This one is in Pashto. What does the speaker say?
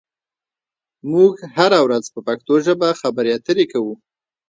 موږ هره ورځ په پښتو ژبه خبرې اترې کوو.